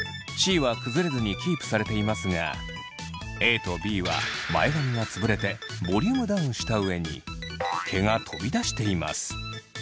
Ｃは崩れずにキープされていますがＡとＢは前髪が潰れてボリュームダウンした上に毛が飛び出しています。